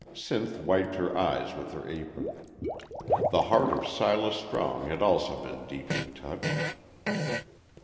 Sinth wiped her eyes with her apron. The heart of Silas Strong had also been deeply touched.